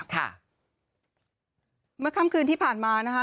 เมื่อค่ำคืนที่ผ่านมานะคะ